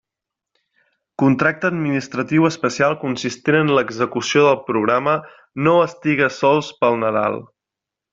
Contracte administratiu especial consistent en l'execució del programa "No estigues sols pel Nadal".